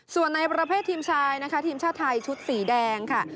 ส่วนในประเภททีมชายนะคะทีมชาติไทยชุดสีแดงค่ะ